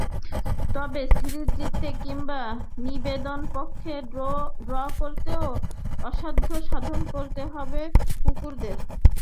তবে সিরিজ জিততে কিংবা নিদেনপক্ষে ড্র করতেও অসাধ্য সাধন করতে হবে কুকদের।